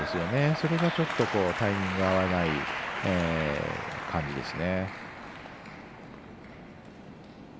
それがちょっとタイミング合わない感じですね。